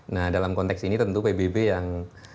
nah dalam konteks ini tentu pbb yang